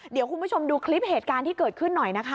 เดี๋ยวคุณผู้ชมดูคลิปเหตุการณ์ที่เกิดขึ้นหน่อยนะคะ